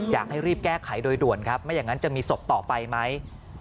อยากให้รีบแก้ไขโดยด่วนครับไม่อย่างนั้นจะมีศพต่อไปไหม